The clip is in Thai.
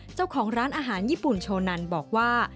เจ้าของร้านอาหารญี่ปุ่นโชนันบอกว่า